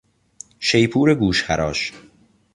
شیپور گوشخراش